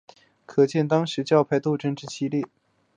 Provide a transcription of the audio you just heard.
可见当时教派斗争之激烈。